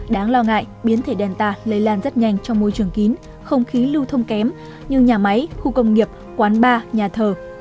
đáng lo ngại biến thể đen ta lây lan rất nhanh trong môi trường kín không khí lưu thông kém như nhà máy khu công nghiệp quán bar nhà thờ